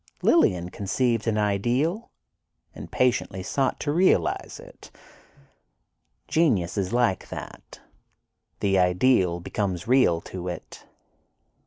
Lillian conceived an ideal, and patiently sought to realize it. Genius is like that: the ideal becomes real to it."